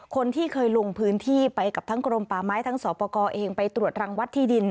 คนที่เคยลงพื้นที่ไปกับทั้งกรมป่าไม้ทั้งสอปกรเองไปตรวจรังวัดที่ดิน